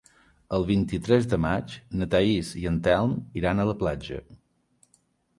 El vint-i-tres de maig na Thaís i en Telm iran a la platja.